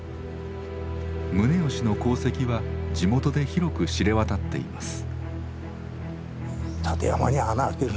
宗義の功績は地元で広く知れ渡っています。